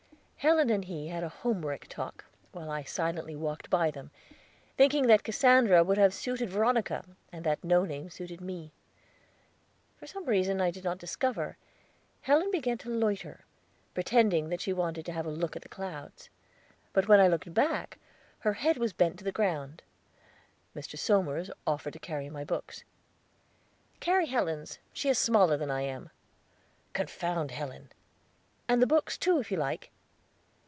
Helen and he had a Homeric talk, while I silently walked by them, thinking that Cassandra would have suited Veronica, and that no name suited me. From some reason I did not discover, Helen began to loiter, pretending that she wanted to have a look at the clouds. But when I looked back her head was bent to the ground. Mr. Somers offered to carry my books. "Carry Helen's; she is smaller than I am." "Confound Helen!" "And the books, too, if you like.